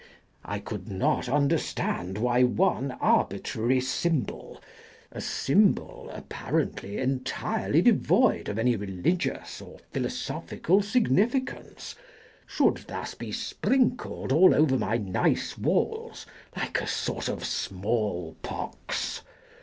I could not understand why one arbitrary symbol (a symbol apparently entirely de void of any religious or philosophical sig nificance) should thus be sprinkled all over On Lying in Bed my nice walls like a sort of smallpox.